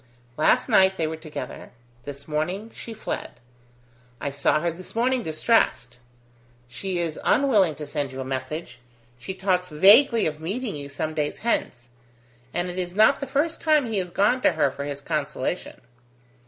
"Last night they were together: this morning she fled. I saw her this morning distressed. She is unwilling to send you a message: she talks vaguely of meeting you some days hence. And it is not the first time he has gone to her for his consolation."